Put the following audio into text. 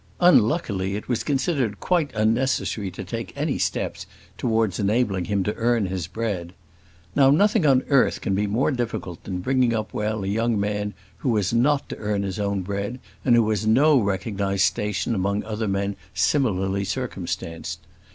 Unluckily it was considered quite unnecessary to take any steps towards enabling him to earn his bread. Now nothing on earth can be more difficult than bringing up well a young man who has not to earn his own bread, and who has no recognised station among other men similarly circumstanced.